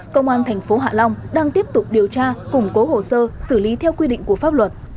công an thành phố hạ long đang tiếp tục điều tra củng cố hồ sơ xử lý theo quy định của pháp luật